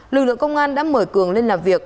lực lượng công an đã mở cường lên làm việc